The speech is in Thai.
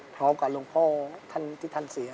พร้อมกับลงพ่อท่านที่ท่านเสีย